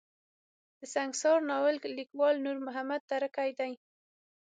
د سنګسار ناول ليکوال نور محمد تره کی دی.